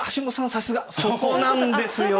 さすが！そこなんですよ。